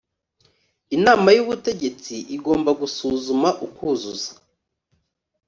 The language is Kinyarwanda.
Inama y ubutegetsi igomba gusuzuma ukuzuza